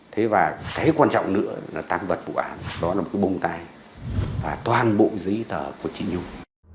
thế và cái quan trọng nữa là tăng vật vụ án đó là một cái bông tay và toàn bộ giấy tờ của chị nhung